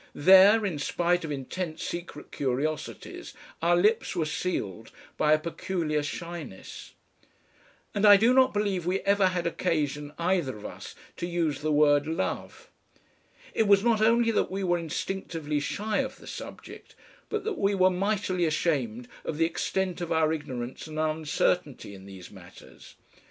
There, in spite of intense secret curiosities, our lips were sealed by a peculiar shyness. And I do not believe we ever had occasion either of us to use the word "love." It was not only that we were instinctively shy of the subject, but that we were mightily ashamed of the extent of our ignorance and uncertainty in these matters.